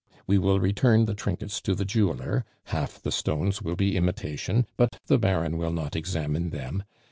We will return the trinkets to the jeweler, half the stones will be imitation, but the Baron will not examine them.